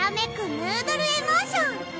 ヌードル・エモーション！